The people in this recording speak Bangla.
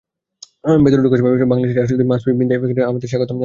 ভেতরে ঢোকার সময় বাংলাদেশের রাষ্ট্রদূত মাসফি বিনতে শামস আমাদের স্বাগতম জানালেন।